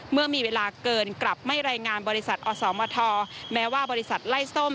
เมื่อมีเวลาเกินกลับไม่รายงานบริษัทอสมทแม้ว่าบริษัทไล่ส้ม